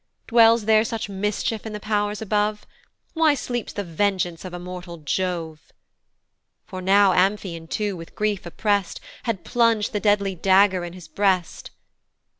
"Dwells there such mischief in the pow'rs above? "Why sleeps the vengeance of immortal Jove?" For now Amphion too, with grief oppress'd, Had plung'd the deadly dagger in his breast.